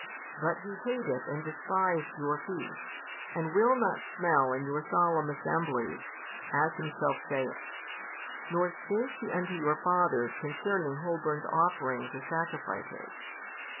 But He hath hated and despised your feasts, and will not smell in your solemn assemblies, as Himself saith: nor spake He unto your fathers concerning whole burnt offerings or sacrifices.